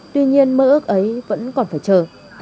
tuy nhiên mơ ước ấy vẫn còn phải chờ